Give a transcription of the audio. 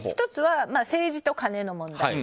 １つは政治とカネの問題